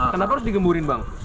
kenapa harus digemburin bang